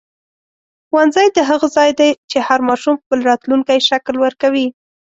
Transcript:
ښوونځی د هغه ځای دی چې هر ماشوم خپل راتلونکی شکل ورکوي.